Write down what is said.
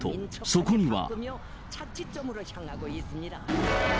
そこには。